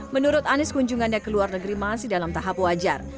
menurut anies kunjungannya ke luar negeri masih dalam tahap wajar